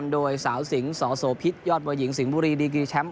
โดยสาวสิงสโสพิษยอดมวยหญิงสิงห์บุรีดีกรีแชมป์